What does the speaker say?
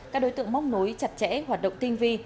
các đối tượng móc nối chặt chẽ hoạt động tinh vi